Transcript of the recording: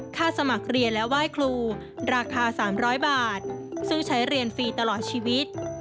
สมัครเรียนและไหว้ครูราคา๓๐๐บาทซึ่งใช้เรียนฟรีตลอดชีวิต